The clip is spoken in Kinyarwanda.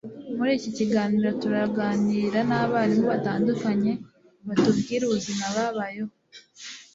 Muri iki kiganiro turaganira n'abarimu batandukanye batubwire ubuzima babayeho.